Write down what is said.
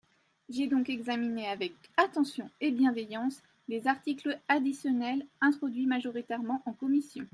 J’ai donc examiné avec attention et bienveillance les articles additionnels introduits majoritairement en commission.